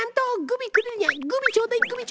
グミちょうだいグミ